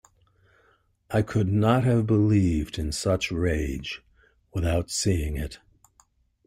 I could not have believed in such rage without seeing it.